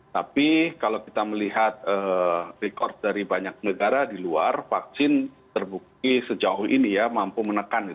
tapi kalau kita melihat record dari banyak negara di luar vaksin terbukti sejauh ini ya mampu menekan